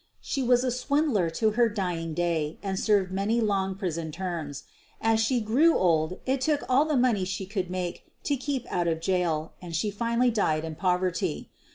She was a swindler to her dying day ana served many long prison terms. As she grew old it took all the money she could make to keep out of jail and she finally died in poverty.